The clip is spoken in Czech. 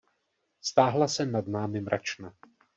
Stáhla se nad námi mračna.